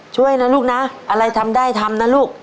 ช่วยนะลูกนะอะไรทำได้ทำนะลูก